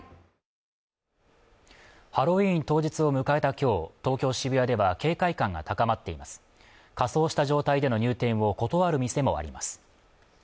今日東京渋谷では警戒感が高まっています仮装した状態での入店を断る店もあります